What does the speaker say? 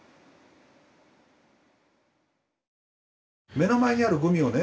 目の前にあるゴミをね